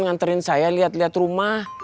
nganterin saya lihat lihat rumah